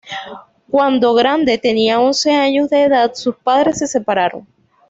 Cuando Grande tenía once años de edad, sus padres se separaron.